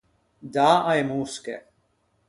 Dâ a-e mosche.